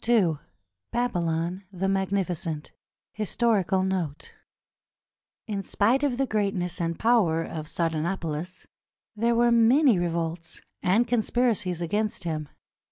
II BABYLON THE MAGNIFICENT HISTORICAL NOTE In spite of the greatness and power of Sardanapalus, there were many revolts and conspiracies against him.